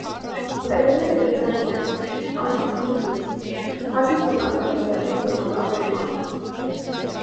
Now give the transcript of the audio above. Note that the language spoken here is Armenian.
Տերևները գծային են, կանաչ գույնի՝ հազիվ նկատելի դեղին երանգավորմամբ։